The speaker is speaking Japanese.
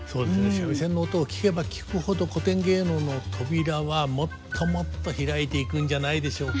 三味線の音を聴けば聴くほど古典芸能の扉はもっともっと開いていくんじゃないでしょうか。